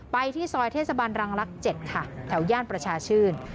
ไปที่ซอยเทศบันรังลักษ์๗ค่ะแถวย่านประชาชื่น